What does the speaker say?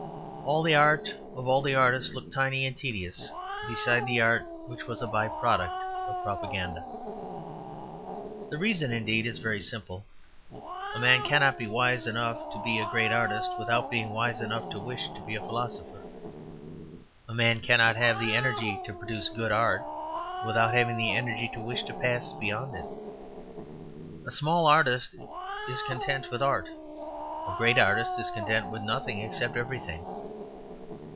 All the art of all the artists looked tiny and tedious beside the art which was a byproduct of propaganda. The reason, indeed, is very simple. A man cannot be wise enough to be a great artist without being wise enough to wish to be a philosopher. A man cannot have the energy to produce good art without having the energy to wish to pass beyond it. A small artist is content with art; a great artist is content with nothing except everything.